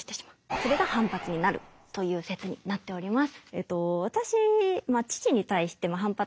それが反発になるという説になっております。